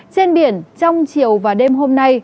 trên biển trong chiều và đêm hôm nay